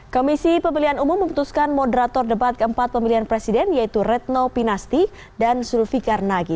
komisi pemilihan umum memutuskan moderator debat keempat pemilihan presiden yaitu retno pinasti dan zulfikar nagi